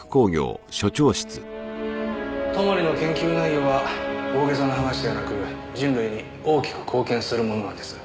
泊の研究内容は大げさな話ではなく人類に大きく貢献するものなんです。